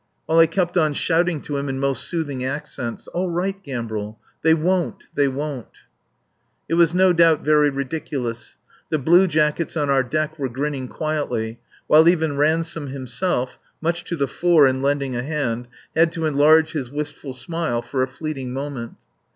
While I kept on shouting to him in most soothing accents: "All right, Gambril. They won't! They won't!" It was no doubt very ridiculous. The bluejackets on our deck were grinning quietly, while even Ransome himself (much to the fore in lending a hand) had to enlarge his wistful smile for a fleeting moment.